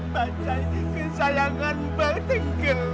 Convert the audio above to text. bajanya kesayangan mbak tenggelam